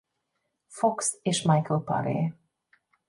Fox és Michael Paré.